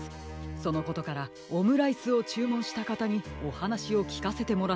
そのことからオムライスをちゅうもんしたかたにおはなしをきかせてもらっているのです。